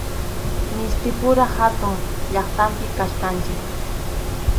Mistipura hatun llaqtapim kachkanchik.